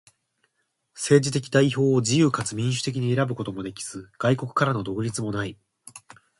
政治的代表を自由かつ民主的に選ぶこともできず、外国からの独立もない。